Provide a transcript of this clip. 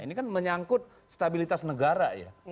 ini kan menyangkut stabilitas negara ya